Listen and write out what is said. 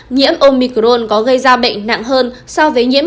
nhiễm omicron có gây ra bệnh nặng hơn so với nhiễm